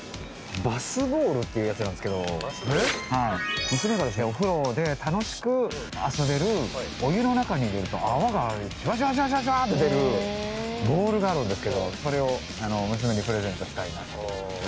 バスボールっていうやつなんですけど娘がですねお風呂で楽しく遊べるお湯の中に入れると泡がシュワシュワシュワシュワって出るボールがあるんですけどそれを娘にプレゼントしたいなと。